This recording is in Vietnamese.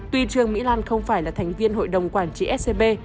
tuy trương mỹ lan không phải là thành viên hội đồng quản trị scb